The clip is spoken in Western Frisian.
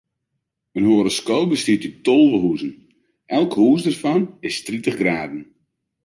In horoskoop bestiet út tolve huzen, elk hûs dêrfan is tritich graden.